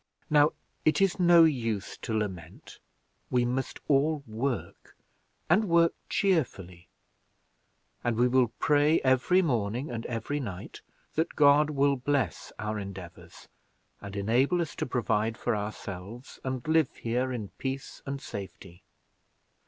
Now it is no use to lament we must all work, and work cheerfully; and we will pray every morning and every night that God will bless our endeavors and enable us to provide for ourselves, and live here in peace and safety.